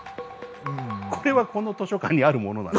これはこの図書館にあるものなの？